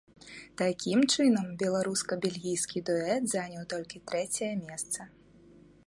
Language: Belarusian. Такім чынам беларуска-бельгійскі дуэт заняў толькі трэцяе месца.